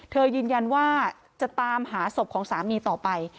ยืนยันว่าจะตามหาศพของสามีต่อไป